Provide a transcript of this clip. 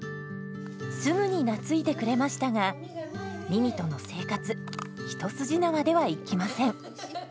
すぐに懐いてくれましたがミミとの生活一筋縄ではいきません。